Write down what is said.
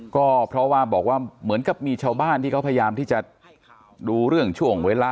ก็เพราะว่าบอกว่าเหมือนกับมีชาวบ้านที่เขาพยายามที่จะดูเรื่องช่วงเวลา